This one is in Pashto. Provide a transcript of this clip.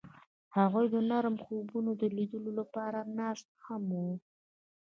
هغوی د نرم خوبونو د لیدلو لپاره ناست هم وو.